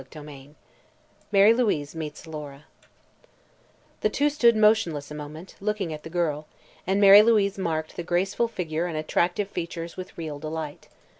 CHAPTER VIII MARY LOUISE MEETS ALORA The two stood motionless a moment, looking at the girl, and Mary Louise marked the graceful figure and attractive features with real delight.